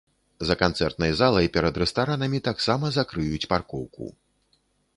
За канцэртнай залай, перад рэстаранамі таксама закрыюць паркоўку.